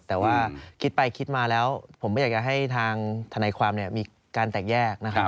แต่ว่าคิดไปคิดมาแล้วผมไม่อยากจะให้ทางทนายความมีการแตกแยกนะครับ